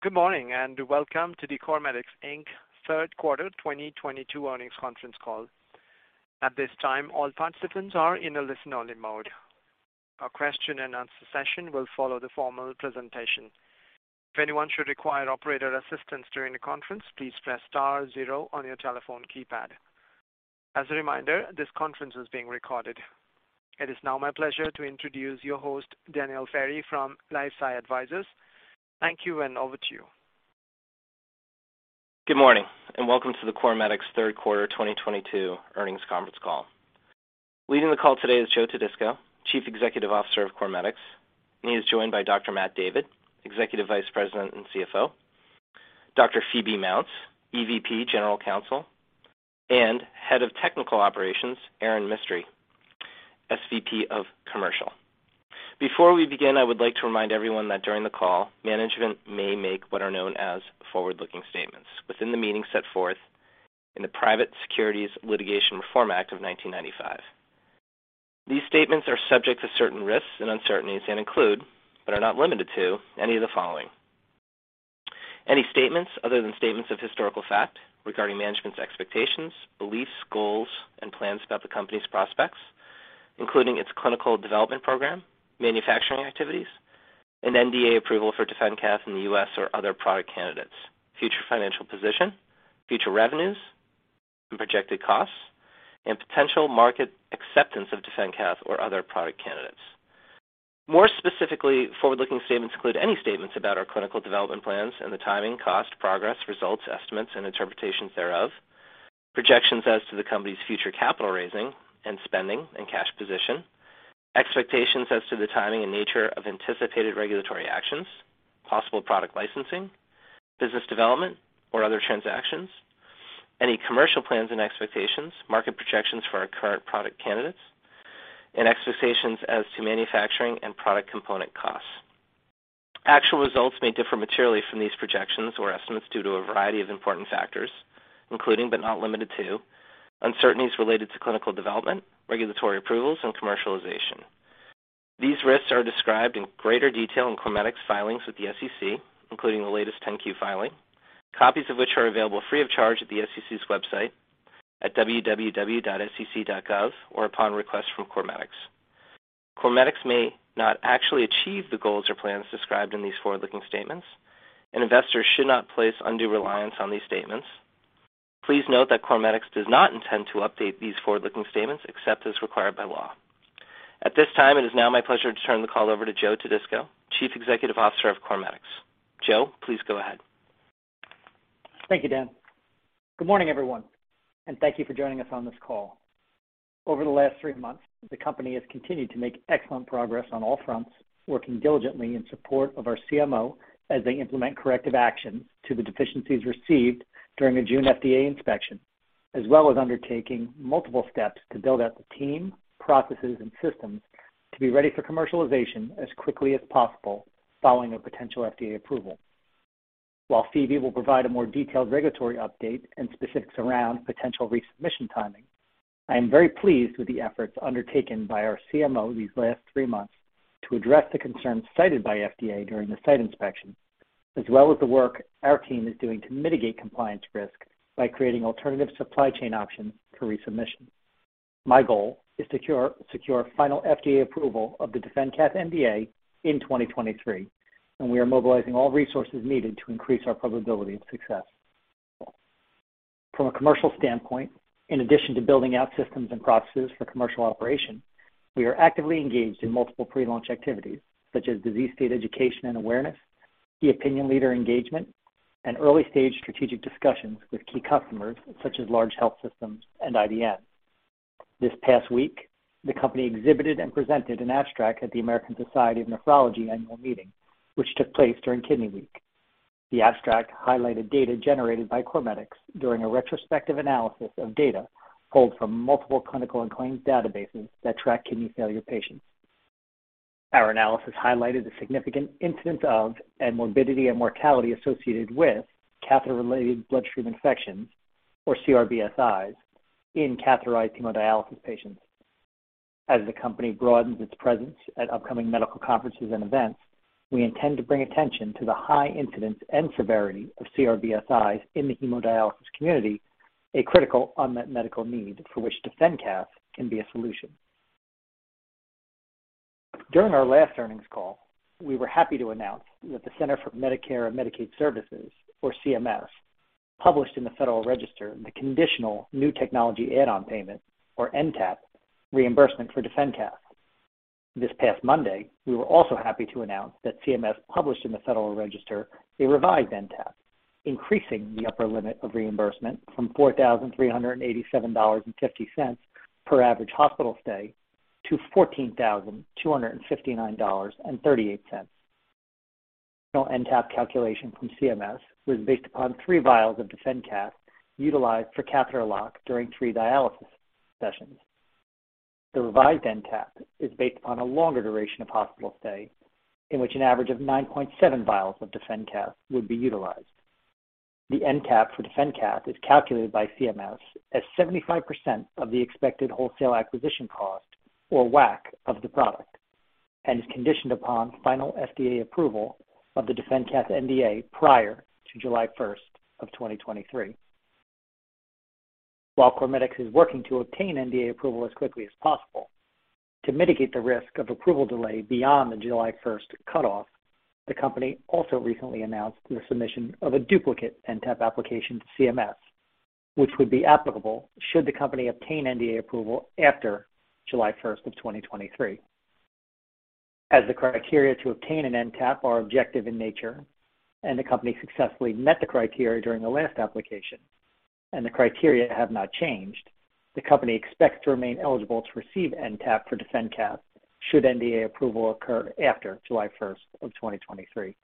Good morning, and welcome to the CorMedix Inc. Q3 2022 earnings conference call. At this time, all participants are in a listen-only mode. A Q&A session will follow the formal presentation. If anyone should require operator assistance during the conference, please press star zero on your telephone keypad. As a reminder, this conference is being recorded. It is now my pleasure to introduce your host, Daniel Ferry from LifeSci Advisors. Thank you, and over to you. Good morning, and welcome to the CorMedix Q3 2022 earnings conference call. Leading the call today is Joe Todisco, Chief Executive Officer of CorMedix. He is joined by Dr. Matt David, Executive Vice President and CFO, Dr. Phoebe Mounts, EVP General Counsel, and Head of Technical Operations, Erin Mistry, SVP of Commercial. Before we begin, I would like to remind everyone that during the call, management may make what are known as forward-looking statements within the meaning set forth in the Private Securities Litigation Reform Act of 1995. These statements are subject to certain risks and uncertainties and include, but are not limited to, any of the following. Any statements other than statements of historical fact regarding management's expectations, beliefs, goals, and plans about the company's prospects, including its clinical development program, manufacturing activities, and NDA approval for DefenCath in the U.S. or other product candidates, future financial position, future revenues and projected costs, and potential market acceptance of DefenCath or other product candidates. More specifically, forward-looking statements include any statements about our clinical development plans and the timing, cost, progress, results, estimates, and interpretations thereof. Projections as to the company's future capital raising and spending and cash position. Expectations as to the timing and nature of anticipated regulatory actions, possible product licensing, business development or other transactions, any commercial plans and expectations, market projections for our current product candidates, and expectations as to manufacturing and product component costs. Actual results may differ materially from these projections or estimates due to a variety of important factors, including, but not limited to, uncertainties related to clinical development, regulatory approvals, and commercialization. These risks are described in greater detail in CorMedix filings with the SEC, including the latest 10-Q filing, copies of which are available free of charge at the SEC's website at www.sec.gov or upon request from CorMedix. CorMedix may not actually achieve the goals or plans described in these forward-looking statements, and investors should not place undue reliance on these statements. Please note that CorMedix does not intend to update these forward-looking statements except as required by law. At this time, it is now my pleasure to turn the call over to Joe Todisco, Chief Executive Officer of CorMedix. Joe, please go ahead. Thank you, Dan. Good morning, everyone, and thank you for joining us on this call. Over the last three months, the company has continued to make excellent progress on all fronts, working diligently in support of our CMO as they implement corrective actions to the deficiencies received during a June FDA inspection, as well as undertaking multiple steps to build out the team, processes, and systems to be ready for commercialization as quickly as possible following a potential FDA approval. While Phoebe will provide a more detailed regulatory update and specifics around potential resubmission timing, I am very pleased with the efforts undertaken by our CMO these last three months to address the concerns cited by FDA during the site inspection, as well as the work our team is doing to mitigate compliance risk by creating alternative supply chain options for resubmission. My goal is to secure final FDA approval of the DefenCath NDA in 2023, and we are mobilizing all resources needed to increase our probability of success. From a commercial standpoint, in addition to building out systems and processes for commercial operation, we are actively engaged in multiple pre-launch activities such as disease state education and awareness, key opinion leader engagement, and early-stage strategic discussions with key customers such as large health systems and IDNs. This past week, the company exhibited and presented an abstract at the American Society of Nephrology annual meeting, which took place during Kidney Week. The abstract highlighted data generated by CorMedix during a retrospective analysis of data pulled from multiple clinical and claims databases that track kidney failure patients. Our analysis highlighted the significant incidence of, and morbidity and mortality associated with catheter-related bloodstream infections, or CRBSIs, in catheterized hemodialysis patients. As the company broadens its presence at upcoming medical conferences and events, we intend to bring attention to the high incidence and severity of CRBSIs in the hemodialysis community, a critical unmet medical need for which DefenCath can be a solution. During our last earnings call, we were happy to announce that the Centers for Medicare & Medicaid Services, or CMS, published in the Federal Register the conditional new technology add-on payment, or NTAP, reimbursement for DefenCath. This past Monday, we were also happy to announce that CMS published in the Federal Register a revised NTAP, increasing the upper limit of reimbursement from $4,387.50 per average hospital stay to $14,259.38. NTAP calculation from CMS was based upon three vials of DefenCath utilized for catheter lock during three dialysis sessions. The revised NTAP is based upon a longer duration of hospital stay in which an average of 9.7 vials of DefenCath would be utilized. The NTAP for DefenCath is calculated by CMS as 75% of the expected wholesale acquisition cost, or WAC, of the product, and is conditioned upon final FDA approval of the DefenCath NDA prior to July 1st, 2023. While CorMedix is working to obtain NDA approval as quickly as possible, to mitigate the risk of approval delay beyond the July 1st cutoff, the company also recently announced the submission of a duplicate NTAP application to CMS, which would be applicable should the company obtain NDA approval after July 1, 2023. As the criteria to obtain an NTAP are objective in nature, and the company successfully met the criteria during the last application, and the criteria have not changed, the company expects to remain eligible to receive NTAP for DefenCath should NDA approval occur after July 1st, 2023.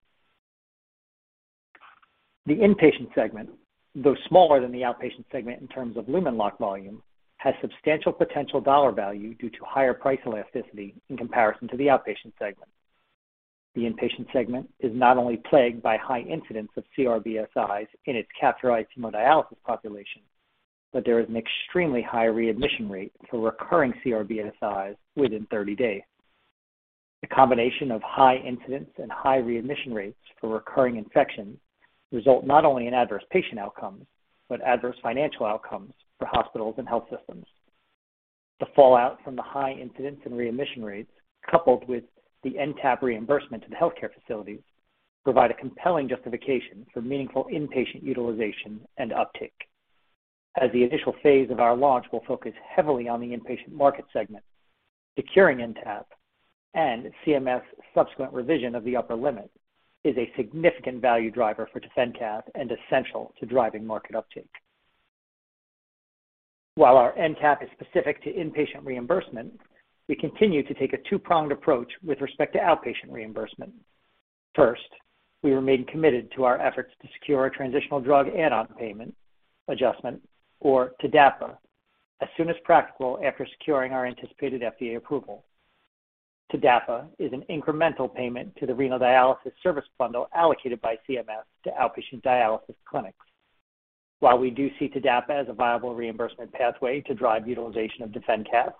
The inpatient segment, though smaller than the outpatient segment in terms of lumen lock volume, has substantial potential dollar value due to higher price elasticity in comparison to the outpatient segment. The inpatient segment is not only plagued by high incidence of CRBSIs in its catheterized hemodialysis population, but there is an extremely high readmission rate for recurring CRBSIs within 30 days. The combination of high incidence and high readmission rates for recurring infections result not only in adverse patient outcomes, but adverse financial outcomes for hospitals and health systems. The fallout from the high incidence and readmission rates, coupled with the NTAP reimbursement to the healthcare facilities, provide a compelling justification for meaningful inpatient utilization and uptick. As the initial phase of our launch will focus heavily on the inpatient market segment, securing NTAP and CMS subsequent revision of the upper limit is a significant value driver for DefenCath and essential to driving market uptick. While our NTAP is specific to inpatient reimbursement, we continue to take a two-pronged approach with respect to outpatient reimbursement. First, we remain committed to our efforts to secure a transitional drug add-on payment adjustment, or TDAPA, as soon as practical after securing our anticipated FDA approval. TDAPA is an incremental payment to the renal dialysis service bundle allocated by CMS to outpatient dialysis clinics. While we do see TDAPA as a viable reimbursement pathway to drive utilization of DefenCath,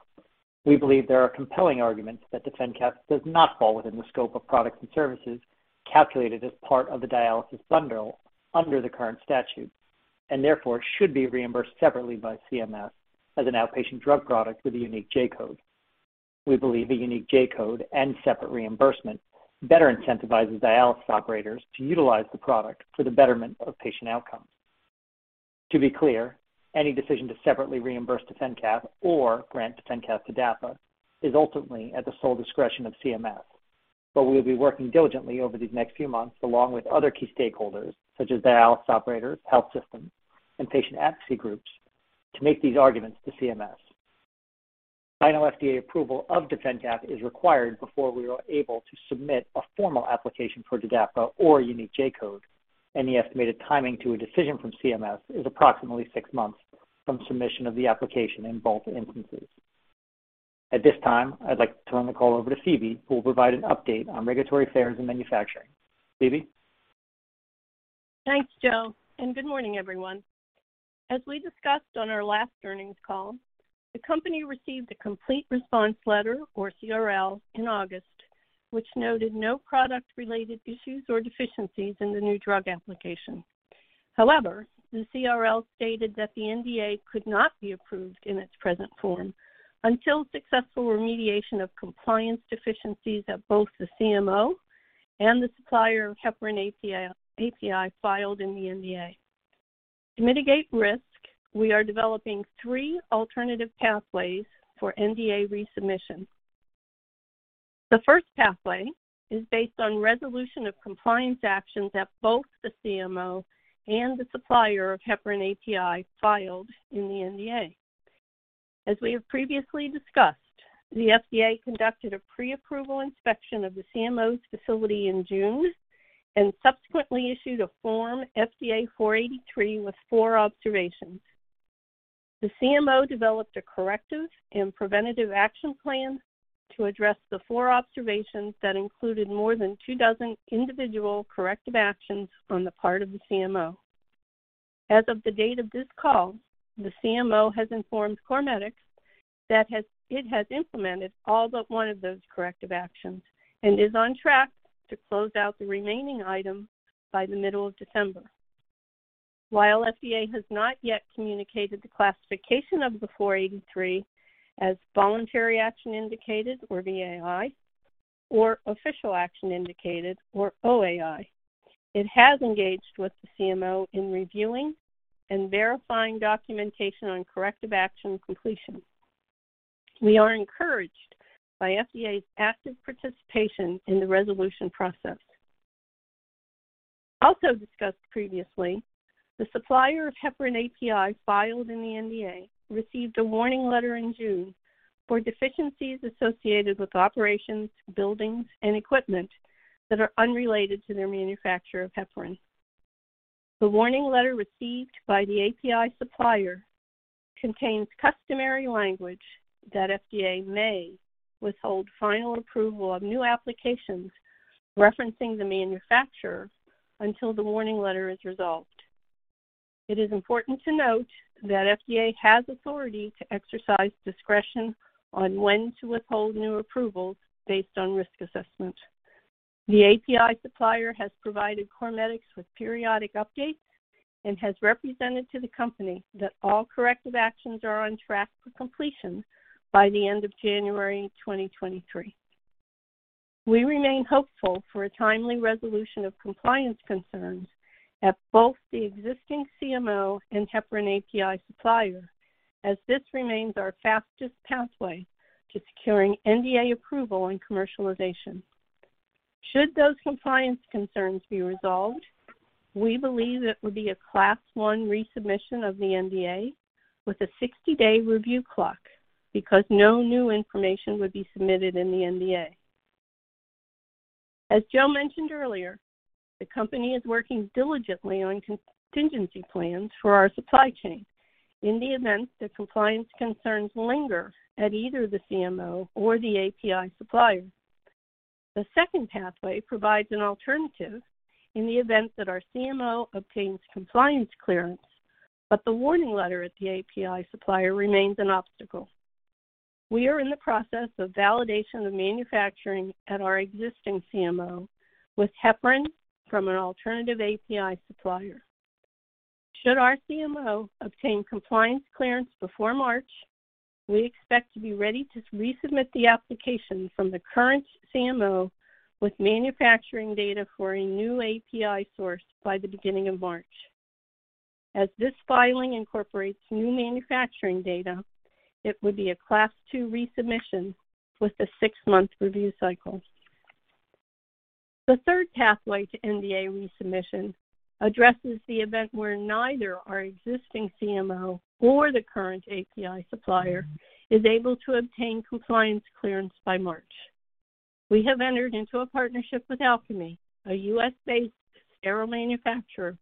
we believe there are compelling arguments that DefenCath does not fall within the scope of products and services calculated as part of the dialysis bundle under the current statute, and therefore should be reimbursed separately by CMS as an outpatient drug product with a unique J-code. We believe a unique J-code and separate reimbursement better incentivizes dialysis operators to utilize the product for the betterment of patient outcomes. To be clear, any decision to separately reimburse DefenCath or grant DefenCath TDAPA is ultimately at the sole discretion of CMS. We'll be working diligently over these next few months along with other key stakeholders, such as dialysis operators, health systems, and patient advocacy groups to make these arguments to CMS. Final FDA approval of DefenCath is required before we are able to submit a formal application for TDAPA or a unique J-code, and the estimated timing to a decision from CMS is approximately six months from submission of the application in both instances. At this time, I'd like to turn the call over to Phoebe, who will provide an update on regulatory affairs and manufacturing. Phoebe? Thanks, Joe, and good morning, everyone. As we discussed on our last earnings call, the company received a complete response letter, or CRL, in August, which noted no product-related issues or deficiencies in the new drug application. However, the CRL stated that the NDA could not be approved in its present form until successful remediation of compliance deficiencies at both the CMO and the supplier of heparin API filed in the NDA. To mitigate risk, we are developing three alternative pathways for NDA resubmission. The first pathway is based on resolution of compliance actions at both the CMO and the supplier of heparin API filed in the NDA. As we have previously discussed, the FDA conducted a pre-approval inspection of the CMO's facility in June and subsequently issued a Form FDA 483 with four observations. The CMO developed a corrective and preventative action plan to address the four observations that included more than two dozen individual corrective actions on the part of the CMO. As of the date of this call, the CMO has informed CorMedix that it has implemented all but one of those corrective actions and is on track to close out the remaining item by the middle of December. While FDA has not yet communicated the classification of the 483 as voluntary action indicated, or VAI, or official action indicated, or OAI, it has engaged with the CMO in reviewing and verifying documentation on corrective action completion. We are encouraged by FDA's active participation in the resolution process. Also discussed previously, the supplier of heparin API filed in the NDA received a warning letter in June for deficiencies associated with operations, buildings, and equipment that are unrelated to their manufacture of heparin. The warning letter received by the API supplier contains customary language that FDA may withhold final approval of new applications referencing the manufacturer until the warning letter is resolved. It is important to note that FDA has authority to exercise discretion on when to withhold new approvals based on risk assessment. The API supplier has provided CorMedix with periodic updates and has represented to the company that all corrective actions are on track for completion by the end of January 2023. We remain hopeful for a timely resolution of compliance concerns at both the existing CMO and heparin API supplier as this remains our fastest pathway to securing NDA approval and commercialization. Should those compliance concerns be resolved, we believe it would be a Class 1 resubmission of the NDA with a 60-day review clock because no new information would be submitted in the NDA. As Joe mentioned earlier, the company is working diligently on contingency plans for our supply chain in the event the compliance concerns linger at either the CMO or the API supplier. The second pathway provides an alternative in the event that our CMO obtains compliance clearance, but the warning letter at the API supplier remains an obstacle. We are in the process of validation of manufacturing at our existing CMO with heparin from an alternative API supplier. Should our CMO obtain compliance clearance before March, we expect to be ready to resubmit the application from the current CMO with manufacturing data for a new API source by the beginning of March. As this filing incorporates new manufacturing data, it would be a Class 2 resubmission with a six-month review cycle. The third pathway to NDA resubmission addresses the event where neither our existing CMO or the current API supplier is able to obtain compliance clearance by March. We have entered into a partnership with Alcami, a U.S.-based sterile manufacturer,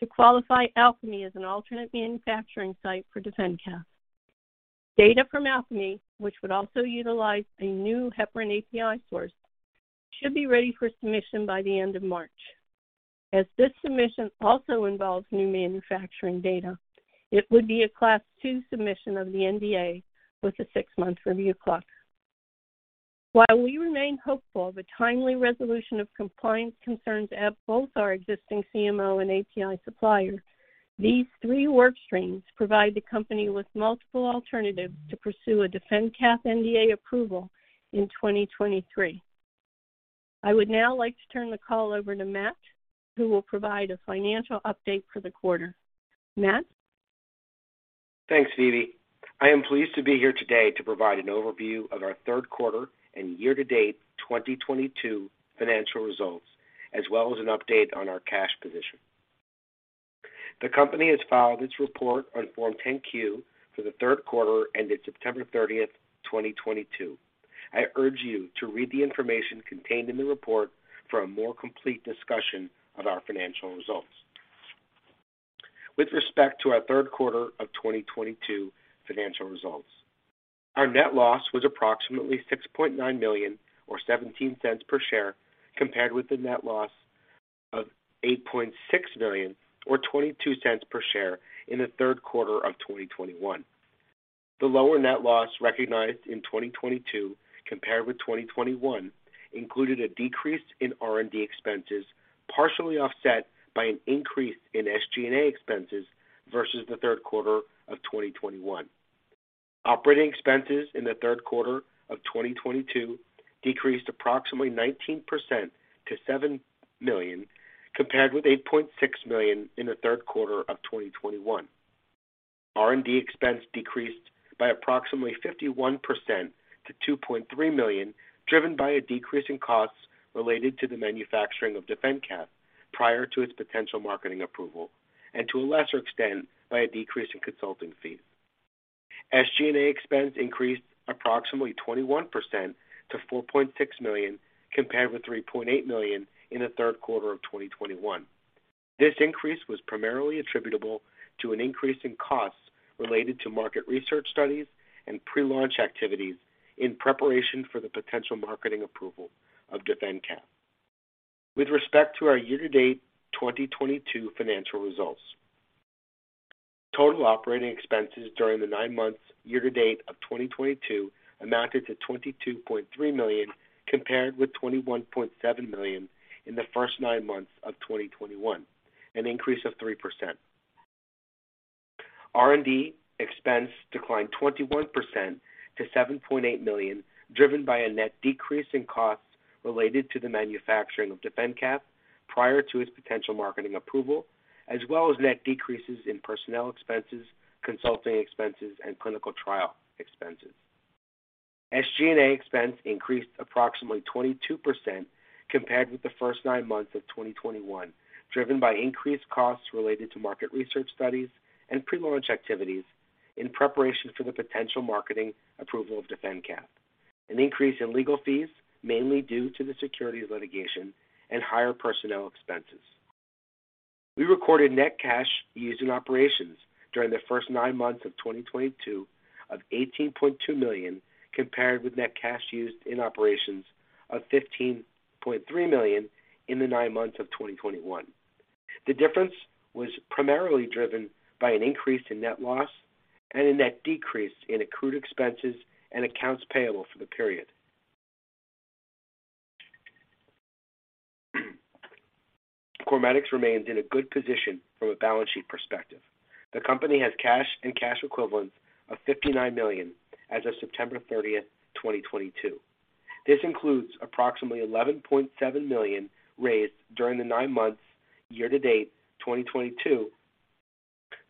to qualify Alcami as an alternate manufacturing site for DefenCath. Data from Alcami, which would also utilize a new heparin API source, should be ready for submission by the end of March. As this submission also involves new manufacturing data, it would be a Class 2 submission of the NDA with a six-month review clock. While we remain hopeful of a timely resolution of compliance concerns at both our existing CMO and API supplier, these three work streams provide the company with multiple alternatives to pursue a DefenCath NDA approval in 2023. I would now like to turn the call over to Matt, who will provide a financial update for the quarter. Matt? Thanks, Phoebe. I am pleased to be here today to provide an overview of our Q3 and year to date 2022 financial results, as well as an update on our cash position. The company has filed its report on Form 10-Q for the Q3 ended September 30th, 2022. I urge you to read the information contained in the report for a more complete discussion of our financial results. With respect to our Q3 of 2022 financial results, our net loss was approximately $6.9 million or $0.17 per share, compared with the net loss of $8.6 million or $0.22 per share in the Q3 of 2021. The lower net loss recognized in 2022 compared with 2021 included a decrease in R&D expenses, partially offset by an increase in SG&A expenses versus the Q3 of 2021. Operating expenses in the Q3 of 2022 decreased approximately 19% to $7 million, compared with $8.6 million in the Q3 of 2021. R&D expense decreased by approximately 51% to $2.3 million, driven by a decrease in costs related to the manufacturing of DefenCath prior to its potential marketing approval, and to a lesser extent by a decrease in consulting fees. SG&A expense increased approximately 21% to $4.6 million, compared with $3.8 million in the Q3 of 2021. This increase was primarily attributable to an increase in costs related to market research studies and pre-launch activities in preparation for the potential marketing approval of DefenCath. With respect to our year to date 2022 financial results, total operating expenses during the nine months year to date of 2022 amounted to $22.3 million, compared with $21.7 million in the first nine months of 2021, an increase of 3%. R&D expense declined 21% to $7.8 million, driven by a net decrease in costs related to the manufacturing of DefenCath prior to its potential marketing approval, as well as net decreases in personnel expenses, consulting expenses and clinical trial expenses. SG&A expense increased approximately 22% compared with the first nine months of 2021, driven by increased costs related to market research studies and pre-launch activities in preparation for the potential marketing approval of DefenCath. An increase in legal fees mainly due to the securities litigation and higher personnel expenses. We recorded net cash used in operations during the first nine months of 2022 of $18.2 million, compared with net cash used in operations of $15.3 million in the nine months of 2021. The difference was primarily driven by an increase in net loss and a net decrease in accrued expenses and accounts payable for the period. CorMedix remains in a good position from a balance sheet perspective. The company has cash and cash equivalents of $59 million as of September 30th, 2022. This includes approximately $11.7 million raised during the 9 months year-to-date 2022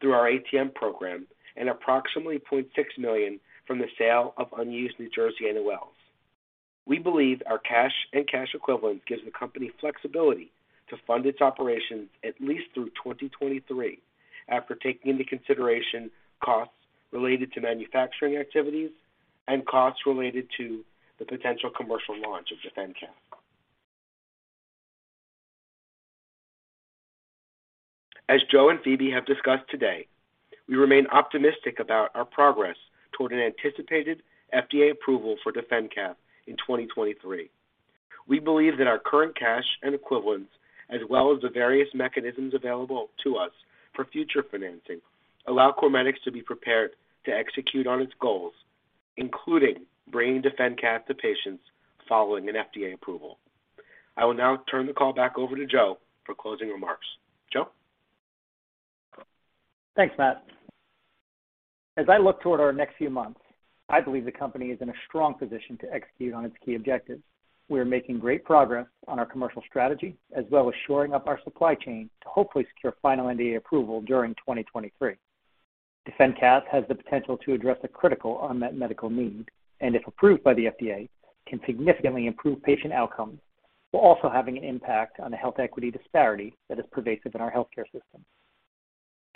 through our ATM program and approximately $0.6 million from the sale of unused New Jersey NOLs. We believe our cash and cash equivalents gives the company flexibility to fund its operations at least through 2023, after taking into consideration costs related to manufacturing activities and costs related to the potential commercial launch of DefenCath. As Joe and Phoebe have discussed today, we remain optimistic about our progress toward an anticipated FDA approval for DefenCath in 2023. We believe that our current cash and equivalents, as well as the various mechanisms available to us for future financing, allow CorMedix to be prepared to execute on its goals, including bringing DefenCath to patients following an FDA approval. I will now turn the call back over to Joe for closing remarks. Joe? Thanks, Matt. As I look toward our next few months, I believe the company is in a strong position to execute on its key objectives. We are making great progress on our commercial strategy, as well as shoring up our supply chain to hopefully secure final NDA approval during 2023. DefenCath has the potential to address a critical unmet medical need, and if approved by the FDA, can significantly improve patient outcomes while also having an impact on the health equity disparity that is pervasive in our healthcare system.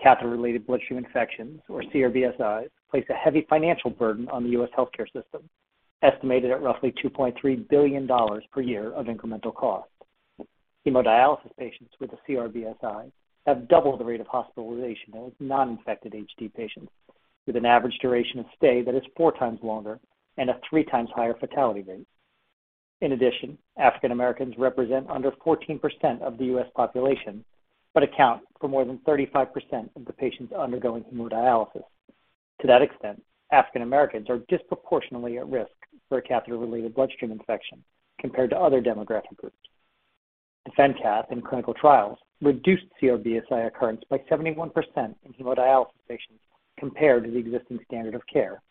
Catheter-related bloodstream infections, or CRBSIs, place a heavy financial burden on the U.S. healthcare system, estimated at roughly $2.3 billion per year of incremental cost. Hemodialysis patients with a CRBSI have double the rate of hospitalization as non-infected HD patients, with an average duration of stay that is 4x longer and a 3x higher fatality rate. In addition, African Americans represent under 14% of the U.S. population, but account for more than 35% of the patients undergoing hemodialysis. To that extent, African Americans are disproportionately at risk for a catheter-related bloodstream infection compared to other demographic groups. DefenCath in clinical trials reduced CRBSI occurrence by 71% in hemodialysis patients compared to the existing standard of care.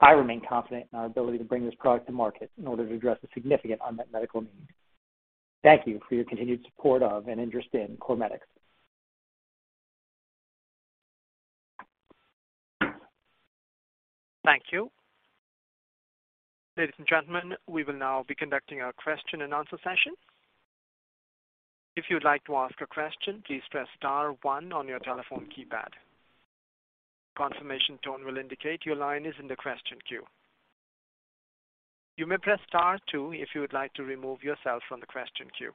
I remain confident in our ability to bring this product to market in order to address a significant unmet medical need. Thank you for your continued support of and interest in CorMedix. Thank you. Ladies and gentlemen, we will now be conducting our Q&A session. If you'd like to ask a question, please press star one on your telephone keypad. A confirmation tone will indicate your line is in the question queue. You may press star two if you would like to remove yourself from the question queue.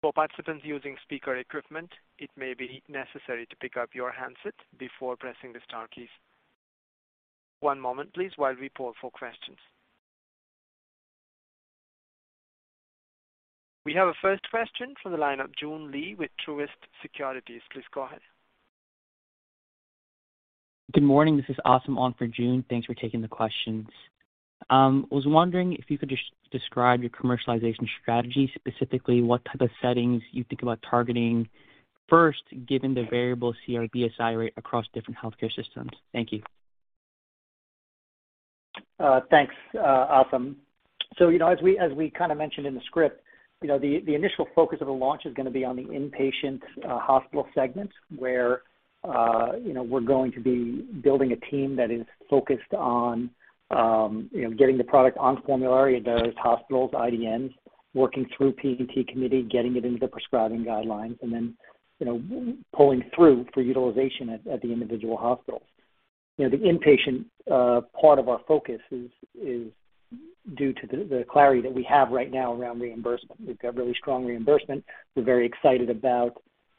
For participants using speaker equipment, it may be necessary to pick up your handset before pressing the star keys. One moment please while we poll for questions. We have a first question from the line of Joon Lee with Truist Securities. Please go ahead. Good morning. This is Asim on for Joon. Thanks for taking the questions. I was wondering if you could describe your commercialization strategy, specifically what type of settings you think about targeting first, given the variable CRBSI rate across different healthcare systems. Thank you. Thanks, Asim. You know, as we kind of mentioned in the script, you know, the initial focus of the launch is gonna be on the inpatient hospital segment, where, you know, we're going to be building a team that is focused on, you know, getting the product on formulary at various hospitals, IDNs, working through P&T committee, getting it into the prescribing guidelines, and then, you know, pulling through for utilization at the individual hospitals. You know, the inpatient part of our focus is due to the clarity that we have right now around reimbursement. We've got really strong reimbursement. We're very excited about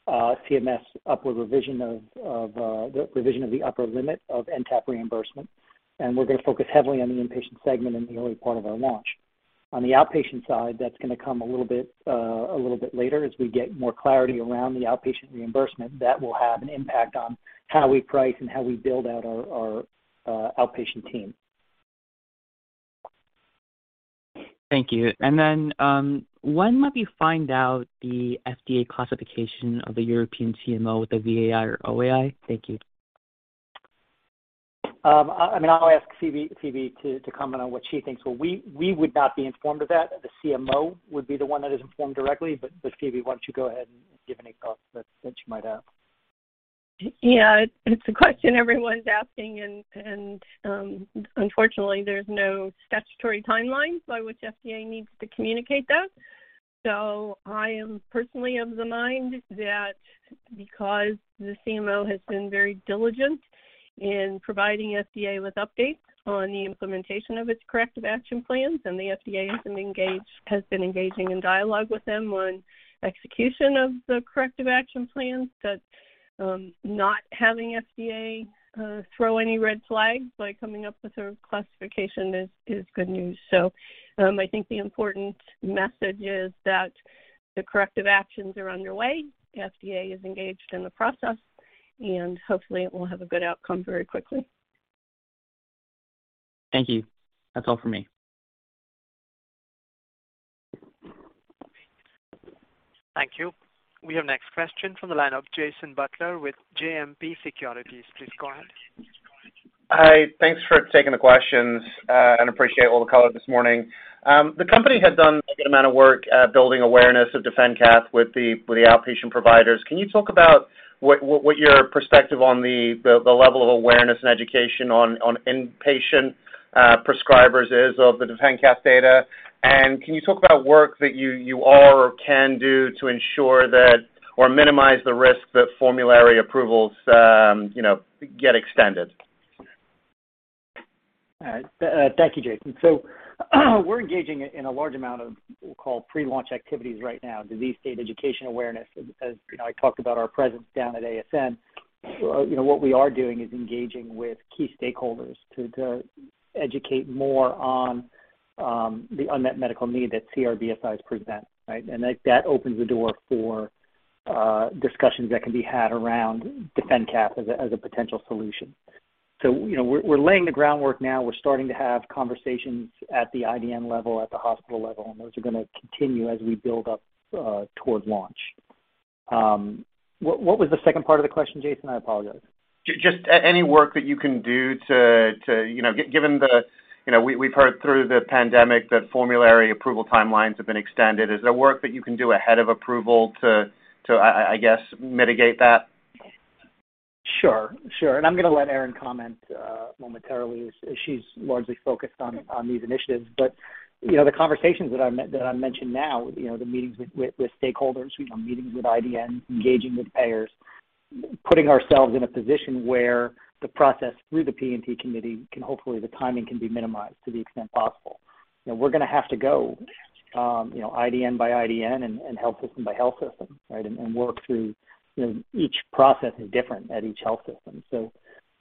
CMS upward revision of the revision of the upper limit of NTAP reimbursement, and we're gonna focus heavily on the inpatient segment in the early part of our launch. On the outpatient side, that's gonna come a little bit later as we get more clarity around the outpatient reimbursement. That will have an impact on how we price and how we build out our outpatient team. Thank you. When might we find out the FDA classification of the European CMO with the VAI or OAI? Thank you. I mean, I'll ask Phoebe to comment on what she thinks. Well, we would not be informed of that. The CMO would be the one that is informed directly. Phoebe, why don't you go ahead and give any thoughts that you might have. Yeah. It's a question everyone's asking and unfortunately, there's no statutory timeline by which FDA needs to communicate those. I am personally of the mind that Because the CMO has been very diligent in providing FDA with updates on the implementation of its corrective action plans, and the FDA has been engaging in dialogue with them on execution of the corrective action plans. That, not having FDA throw any red flags by coming up with a classification is good news. I think the important message is that the corrective actions are underway. FDA is engaged in the process, and hopefully it will have a good outcome very quickly. Thank you. That's all for me. Thank you. We have next question from the line of Jason Butler with JMP Securities. Please go ahead. Hi. Thanks for taking the questions, and appreciate all the color this morning. The company had done a good amount of work at building awareness of DefenCath with the outpatient providers. Can you talk about what your perspective on the level of awareness and education on inpatient prescribers is of the DefenCath data? Can you talk about work that you are or can do to ensure that or minimize the risk that formulary approvals, you know, get extended? Thank you, Jason. We're engaging in a large amount of, we'll call it pre-launch activities right now. Disease state education awareness, as you know, I talked about our presence down at ASN. You know, what we are doing is engaging with key stakeholders to educate more on the unmet medical need that CRBSIs present, right? That opens the door for discussions that can be had around DefenCath as a potential solution. You know, we're laying the groundwork now. We're starting to have conversations at the IDN level, at the hospital level, and those are gonna continue as we build up towards launch. What was the second part of the question, Jason? I apologize. Just any work that you can do to, you know, given the, you know, we've heard through the pandemic that formulary approval timelines have been extended. Is there work that you can do ahead of approval to, I guess, mitigate that? Sure, sure. I'm gonna let Erin comment momentarily as she's largely focused on these initiatives. You know, the conversations that I mentioned now, you know, the meetings with stakeholders, you know, meetings with IDN, engaging with payers, putting ourselves in a position where the process through the P&T committee can hopefully the timing can be minimized to the extent possible. You know, we're gonna have to go, you know, IDN by IDN and health system by health system, right? Work through, you know, each process is different at each health system.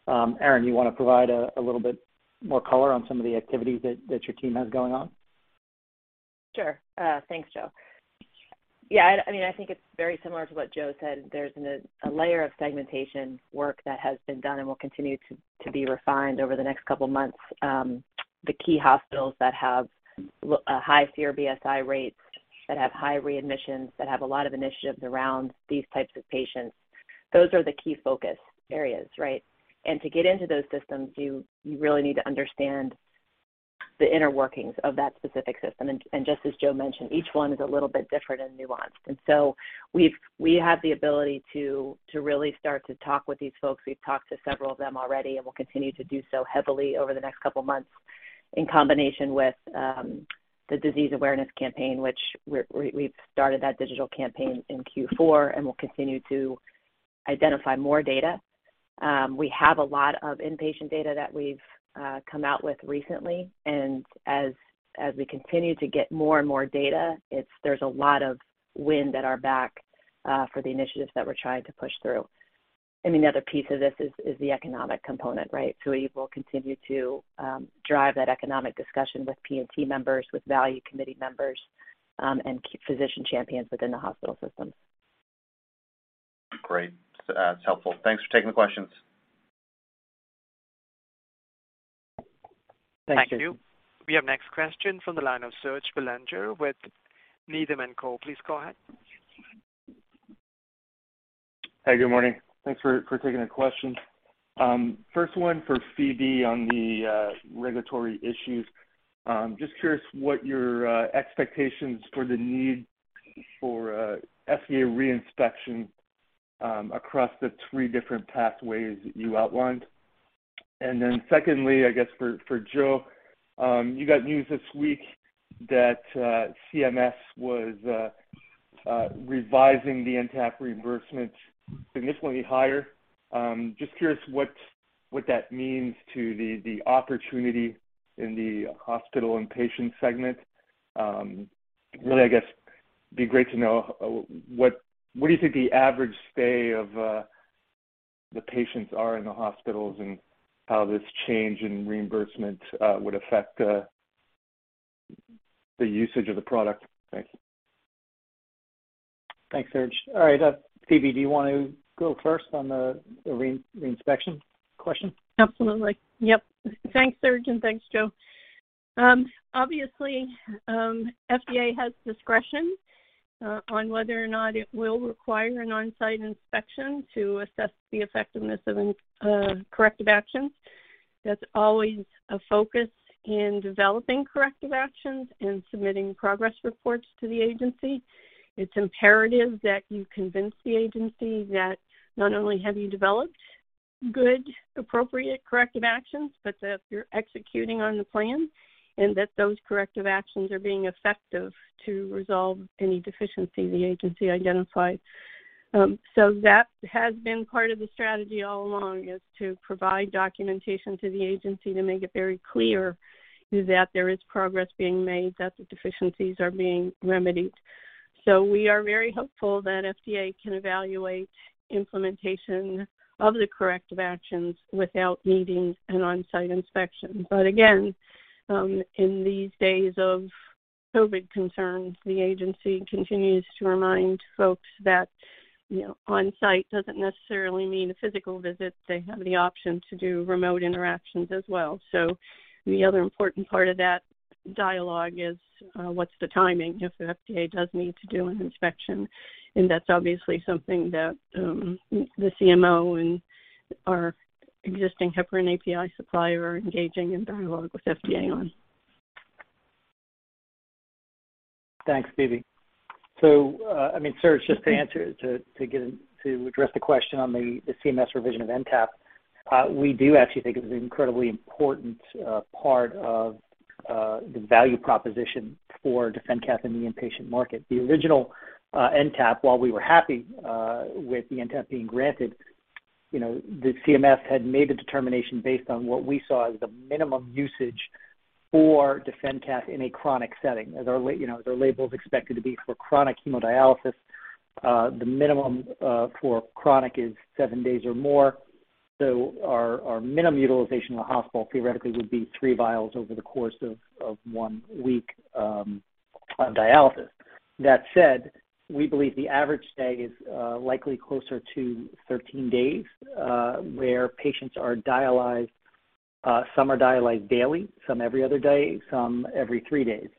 Erin, you wanna provide a little bit more color on some of the activities that your team has going on? Sure. Thanks, Joe. Yeah, I mean, I think it's very similar to what Joe said. There's a layer of segmentation work that has been done and will continue to be refined over the next couple months. The key hospitals that have high CRBSI rates, that have high readmissions, that have a lot of initiatives around these types of patients, those are the key focus areas, right? To get into those systems, you really need to understand the inner workings of that specific system. Just as Joe mentioned, each one is a little bit different and nuanced. We have the ability to really start to talk with these folks. We've talked to several of them already, and we'll continue to do so heavily over the next couple months in combination with the disease awareness campaign, which we've started that digital campaign in Q4 and will continue to identify more data. We have a lot of inpatient data that we've come out with recently. As we continue to get more and more data, there's a lot of wind at our back for the initiatives that we're trying to push through. The other piece of this is the economic component, right? We will continue to drive that economic discussion with P&T members, with value committee members, and keep physician champions within the hospital systems. Great. That's helpful. Thanks for taking the questions. Thank you. Thank you. We have next question from the line of Serge Belanger with Needham & Company. Please go ahead. Hey, good morning. Thanks for taking the questions. First one for Phoebe on the regulatory issues. Just curious what your expectations for the need for FDA reinspection across the three different pathways you outlined. Secondly, I guess for Joe, you got news this week that CMS was revising the NTAP reimbursement significantly higher. Just curious what that means to the opportunity in the hospital inpatient segment. Really, I guess it'd be great to know what do you think the average stay of the patients are in the hospitals and how this change in reimbursement would affect the usage of the product. Thanks. Thanks, Serge. All right, Phoebe, do you wanna go first on the re-inspection question? Absolutely. Yep. Thanks, Serge, and thanks, Joe. Obviously, FDA has discretion on whether or not it will require an on-site inspection to assess the effectiveness of a corrective action. That's always a focus in developing corrective actions and submitting progress reports to the agency. It's imperative that you convince the agency that not only have you developed good, appropriate corrective actions, but that you're executing on the plan and that those corrective actions are being effective to resolve any deficiency the agency identified. That has been part of the strategy all along, is to provide documentation to the agency to make it very clear that there is progress being made, that the deficiencies are being remedied. We are very hopeful that FDA can evaluate implementation of the corrective actions without needing an on-site inspection. Again, in these days of COVID concerns, the agency continues to remind folks that, you know, on-site doesn't necessarily mean a physical visit. They have the option to do remote interactions as well. The other important part of that dialogue is, what's the timing if the FDA does need to do an inspection? That's obviously something that the CMO and our existing heparin API supplier are engaging in dialogue with FDA on. Thanks, Phoebe. I mean, Serge, just to answer to address the question on the CMS revision of NTAP, we do actually think it was an incredibly important part of the value proposition for DefenCath in the inpatient market. The original NTAP, while we were happy with the NTAP being granted, you know, the CMS had made the determination based on what we saw as the minimum usage for DefenCath in a chronic setting. You know, the label is expected to be for chronic hemodialysis. The minimum for chronic is seven days or more. Our minimum utilization in the hospital theoretically would be three vials over the course of one week on dialysis. That said, we believe the average stay is likely closer to 13 days, where patients are dialyzed, some are dialyzed daily, some every other day, some every three days.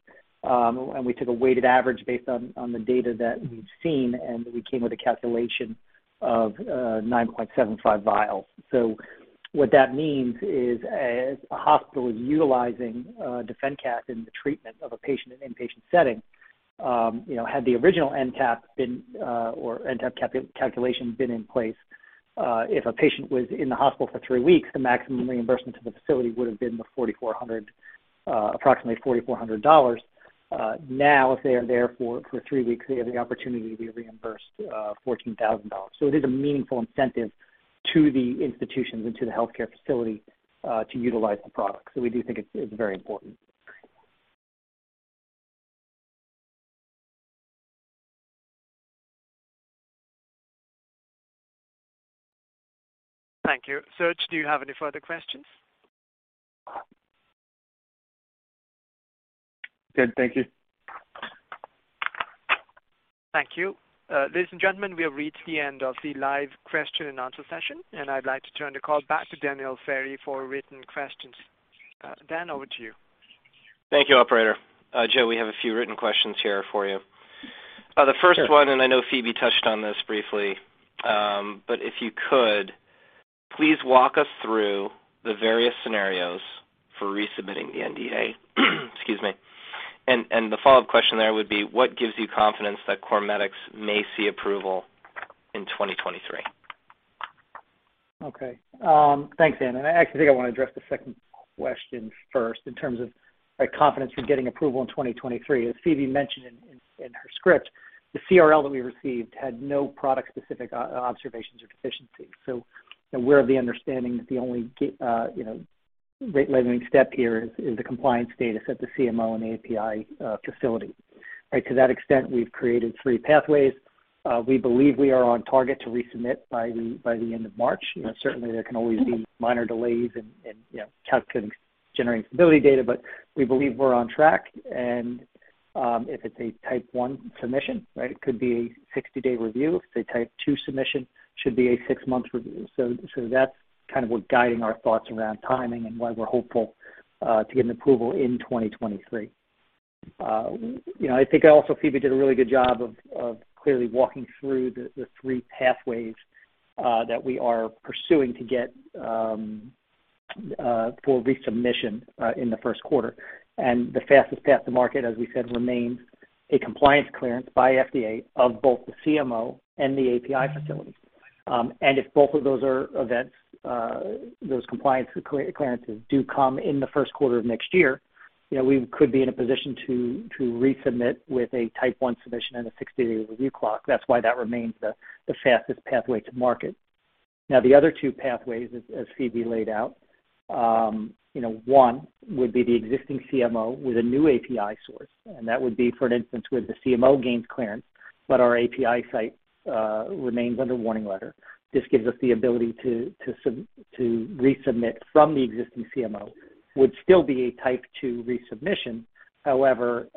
We took a weighted average based on the data that we've seen, and we came with a calculation of 9.75 vials. So what that means is, as a hospital is utilizing DefenCath in the treatment of a patient in an inpatient setting, you know, had the original NTAP been, or NTAP calculation been in place, if a patient was in the hospital for three weeks, the maximum reimbursement to the facility would have been the $4,400, approximately $4,400. Now, if they are there for three weeks, they have the opportunity to be reimbursed $14,000. It is a meaningful incentive to the institutions and to the healthcare facility to utilize the product. We do think it's very important. Thank you. Serge, do you have any further questions? Good. Thank you. Thank you. Ladies and gentlemen, we have reached the end of the live Q&A session, and I'd like to turn the call back to Daniel Ferry for written questions. Dan, over to you. Thank you, operator. Joe, we have a few written questions here for you. Sure. The first one, I know Phoebe touched on this briefly, but if you could, please walk us through the various scenarios for resubmitting the NDA. Excuse me. The follow-up question there would be, what gives you confidence that CorMedix may see approval in 2023? Okay. Thanks, Daniel. I actually think I want to address the second question first in terms of my confidence for getting approval in 2023. As Phoebe mentioned in her script, the CRL that we received had no product-specific observations or deficiencies. You know, we're of the understanding that the only regulatory step here is the compliance data at the CMO and API facility. Right? To that extent, we've created three pathways. We believe we are on target to resubmit by the end of March. Mm-hmm. You know, certainly there can always be minor delays and, you know, generating stability data, but we believe we're on track. If it's a Class 1 submission, right, it could be a 60-day review. If it's a Class 2 submission, should be a six-month review. That's kind of what's guiding our thoughts around timing and why we're hopeful to get an approval in 2023. You know, I think also Phoebe did a really good job of clearly walking through the three pathways that we are pursuing to get for resubmission in the Q1. The fastest path to market, as we said, remains a compliance clearance by FDA of both the CMO and the API facility. If both of those are events, those compliance clearances do come in the Q1 of next year, you know, we could be in a position to resubmit with a type one submission and a 60-day review clock. That's why that remains the fastest pathway to market. Now, the other two pathways, as Phoebe laid out, you know, one would be the existing CMO with a new API source, and that would be, for instance, where the CMO gains clearance, but our API site remains under warning letter. This gives us the ability to resubmit from the existing CMO. Would still be a type two resubmission. However,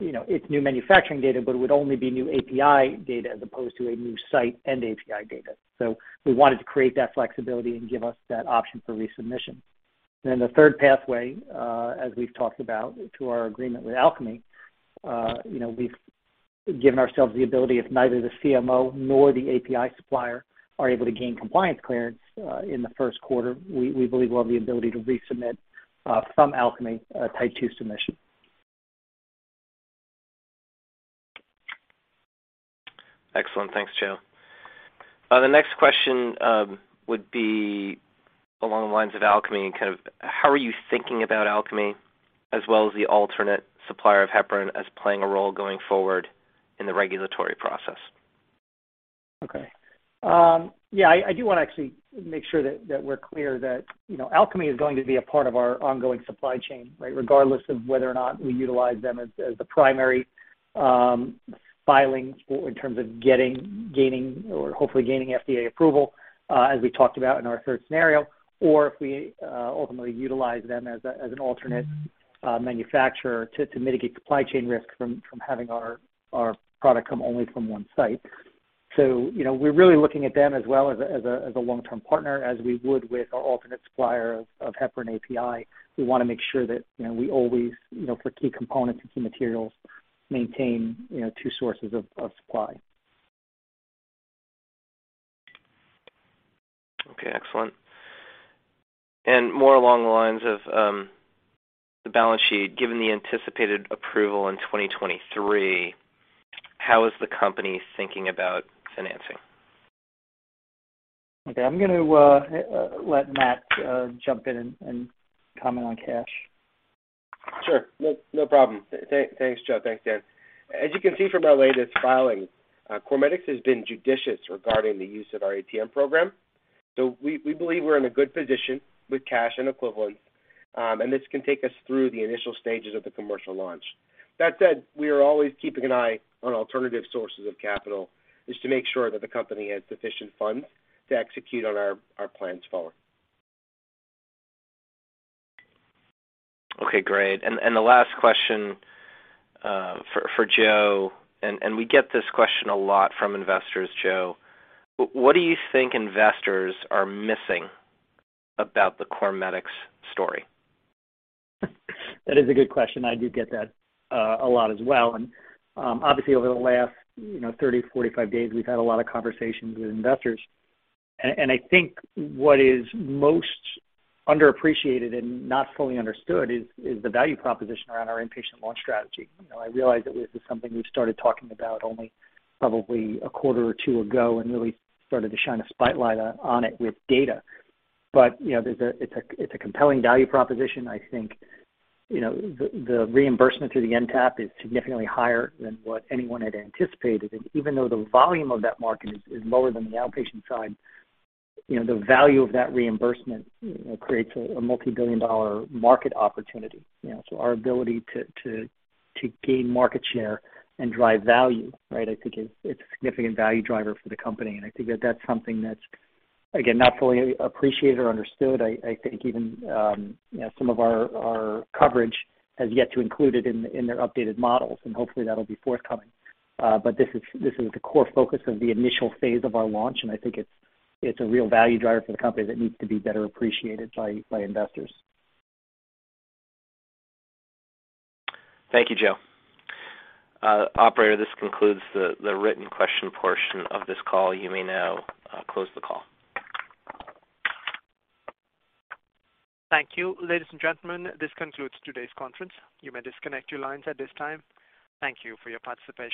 you know, it's new manufacturing data, but it would only be new API data as opposed to a new site and API data. We wanted to create that flexibility and give us that option for resubmission. The third pathway, as we've talked about, our agreement with Alcami, you know, we've given ourselves the ability if neither the CMO nor the API supplier are able to gain compliance clearance, in the Q1, we believe we'll have the ability to resubmit from Alcami a Class 2 submission. Excellent. Thanks, Joe. The next question would be along the lines of Alcami and kind of how are you thinking about Alcami as well as the alternate supplier of heparin as playing a role going forward in the regulatory process? Okay. Yeah, I do wanna actually make sure that we're clear that, you know, Alcami is going to be a part of our ongoing supply chain, right? Regardless of whether or not we utilize them as the primary filing or in terms of getting, gaining or hopefully gaining FDA approval, as we talked about in our third scenario, or if we ultimately utilize them as an alternate manufacturer to mitigate supply chain risk from having our product come only from one site. You know, we're really looking at them as a long-term partner as we would with our alternate supplier of heparin API. We wanna make sure that, you know, we always, you know, for key components and key materials, maintain two sources of supply. Okay. Excellent. More along the lines of the balance sheet, given the anticipated approval in 2023, how is the company thinking about financing? Okay. I'm gonna let Matt jump in and comment on cash. Sure. No problem. Thanks, Joe. Thanks, Dan. As you can see from our latest filing, CorMedix has been judicious regarding the use of our ATM program. We believe we're in a good position with cash and equivalents, and this can take us through the initial stages of the commercial launch. That said, we are always keeping an eye on alternative sources of capital, is to make sure that the company has sufficient funds to execute on our plans forward. Okay, great. The last question for Joe, we get this question a lot from investors, Joe. What do you think investors are missing about the CorMedix story? That is a good question. I do get that a lot as well. Obviously over the last, you know, 30 to 45 days, we've had a lot of conversations with investors. I think what is most underappreciated and not fully understood is the value proposition around our inpatient launch strategy. You know, I realize that this is something we've started talking about only probably a quarter or two ago and really started to shine a spotlight on it with data. You know, it's a compelling value proposition. I think, you know, the reimbursement through the NTAP is significantly higher than what anyone had anticipated. Even though the volume of that market is lower than the outpatient side, you know, the value of that reimbursement, you know, creates a multi-billion dollar market opportunity. You know, our ability to gain market share and drive value, right, I think is, it's a significant value driver for the company. I think that that's something that's, again, not fully appreciated or understood. I think even, you know, some of our coverage has yet to include it in their updated models, and hopefully that'll be forthcoming. This is the core focus of the initial phase of our launch, and I think it's a real value driver for the company that needs to be better appreciated by investors. Thank you, Joe. Operator, this concludes the written question portion of this call. You may now close the call. Thank you. Ladies and gentlemen, this concludes today's conference. You may disconnect your lines at this time. Thank you for your participation.